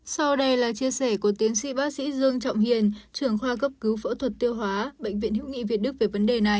sau đây là chia sẻ của tiến sĩ bác sĩ dương trọng hiền trưởng khoa cấp cứu phẫu thuật tiêu hóa bệnh viện hữu nghị việt đức về vấn đề này